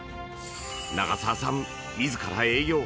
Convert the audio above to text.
長澤さん自ら営業。